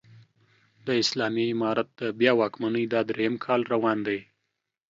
د اسلامي امارت د بيا واکمنۍ دا درېيم کال روان دی